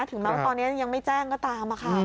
ถึงแม้ว่าตอนนี้ยังไม่แจ้งก็ตามค่ะ